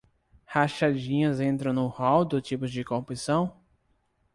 Rachadinhas entram no rol dos tipos de corrupção?